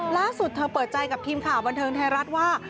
ล่าสุดเธอเปิดใจกับทีมข่าวบันเทิงไทยรัฐว่า